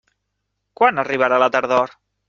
Quan arribarà la tardor?